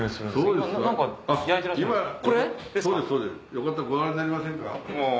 よかったらご覧になりませんか？